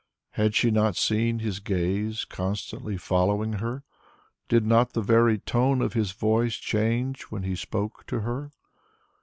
Had she not seen his gaze constantly following her? Did not the very tone of his voice change when he spoke to her?